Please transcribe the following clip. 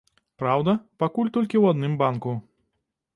Праўда, пакуль толькі ў адным банку.